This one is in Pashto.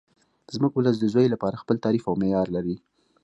زموږ ولس د زوی لپاره خپل تعریف او معیار لري